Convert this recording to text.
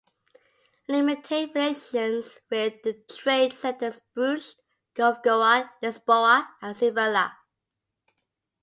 It maintained relations with the trade centers Bruges, Novgorod, Lisboa and Sevilla.